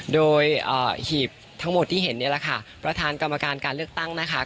โดยหีบทั้งหมดที่เห็นเนี่ยแหละค่ะประธานกรรมการการเลือกตั้งนะคะ